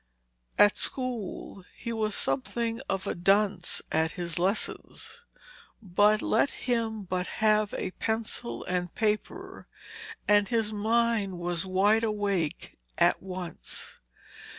At school he was something of a dunce at his lessons, but let him but have a pencil and paper and his mind was wide awake at once.